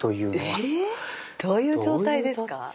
え⁉どういう状態ですか？